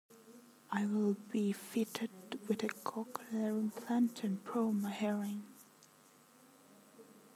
I will be fitted with a cochlear implant to improve my hearing.